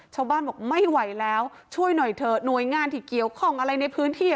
ชาวบ้านบอกไม่ไหวแล้วช่วยหน่อยเถอะหน่วยงานที่เกี่ยวข้องอะไรในพื้นที่